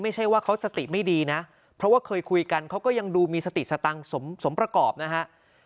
ไม่ใช่ว่าเขาสติไม่ดีนะเพราะว่าเคยคุยกันเขาก็ยังดูมีสติสตังค์สมประกอบนะฮะ